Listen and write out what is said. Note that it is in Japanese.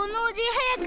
はやく。